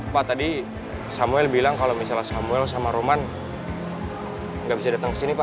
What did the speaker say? pak tadi samuel bilang kalau misalnya samuel sama roman nggak bisa datang ke sini pak